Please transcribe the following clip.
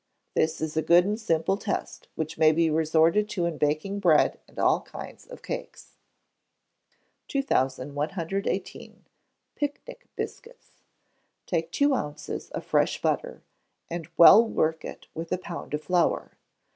This is a good and simple test, which may be resorted to in baking bread and all kinds of cakes. 2118. Pic Nic Biscuits. Take two ounces of fresh butter, and well work it with a pound of flour.